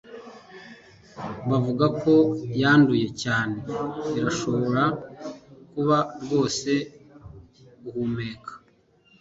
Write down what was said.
bavuga ko yanduye cyane birashobora kuba rwose guhumeka